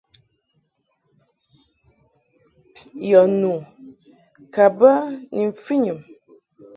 Yɔ nu ka bə ni mfɨnyum.